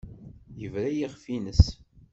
Yebra i yiɣef-nnes.